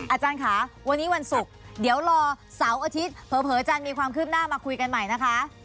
อาจารย์ค่ะวันนี้วันศุกร์เดี๋ยวรอเสาร์อาทิตย์เผลออาจารย์มีความคืบหน้ามาคุยกันใหม่นะคะ